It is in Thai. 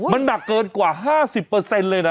มันหนักเกินกว่า๕๐เลยนะ